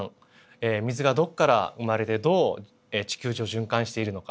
水がどこから生まれてどう地球上循環しているのか。